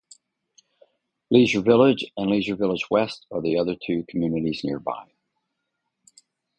Leisure Village and Leisure Village West are the other two communities nearby.